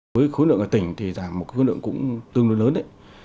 với khối lượng ở tỉnh thì giảm một khối lượng cũng tương đối lớn đấy